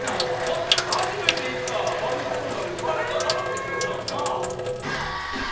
全く初めて行ったバルセロナで誰が払うてくれたん？